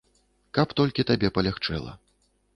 Каб толькі табе палягчэла.